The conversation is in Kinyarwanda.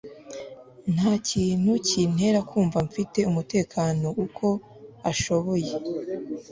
ntakintu kintera kumva mfite umutekano uko ashoboye